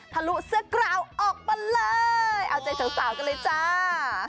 ทะลุเสื้อกราวออกมาเลยเอาใจสาวกันเลยจ้า